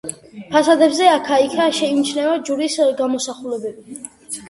ფასადებზე აქა-იქ შეიმჩნევა ჯვრის გამოსახულებები.